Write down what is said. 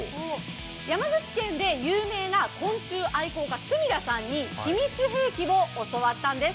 山口県で有名な昆虫愛好家、角田さんに秘密兵器を教わったんです。